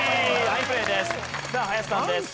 さあ林さんです。